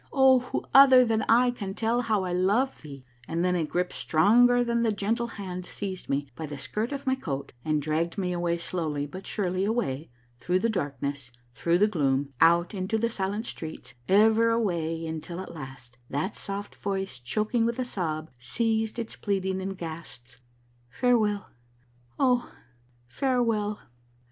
Oh, who other than I can tell how I love thee !" and then a grip stronger than that gentle hand seized me by the skirt of my coat and dragged me away slowly, but surely, away, through the darkness, through the gloom, out into the silent streets, ever away until at last that soft voice, choking with a sob, ceased its pleading and gasped, " Fare well, oh, farewell